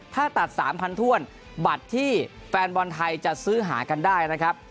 ถ้าตัด๓๐๐ถ้วนบัตรที่แฟนบอลไทยจะซื้อหากันได้นะครับ